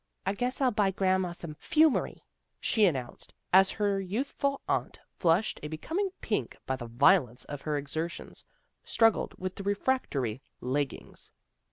" I guess I'll buy grandma some 'fumery," she announced, as her youthful aunt, flushed a becoming pink by the violence of her exer tions, struggled with the refractory leggings.